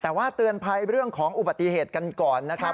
แต่ว่าเตือนภัยเรื่องของอุบัติเหตุกันก่อนนะครับ